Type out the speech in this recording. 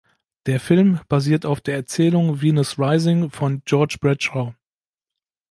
Der Film basiert auf der Erzählung "Venus Rising" von George Bradshaw.